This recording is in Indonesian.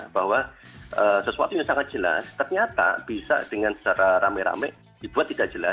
bahwa sesuatu yang sangat jelas ternyata bisa dengan secara rame rame dibuat tidak jelas